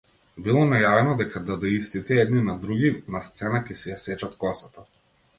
Било најавено дека дадаистите едни на други, на сцена, ќе си ја сечат косата.